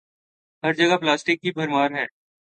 ہر جگہ پلاسٹک کی بھرمار ہے۔